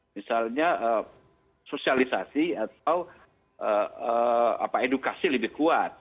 misalnya sosialisasi atau edukasi lebih kuat